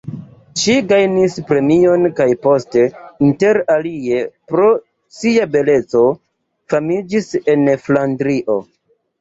Ŝi gajnis premion kaj post, inter alie pro sia beleco, famiĝis en Flandrio.